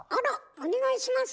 お願いします！